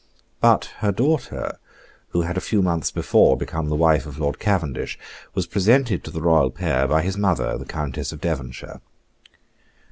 But her daughter, who had a few months before become the wife of Lord Cavendish, was presented to the royal pair by his mother the Countess of Devonshire.